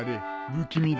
不気味だな。